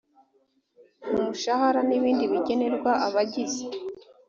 umushahara n ibindi bigenerwa abagize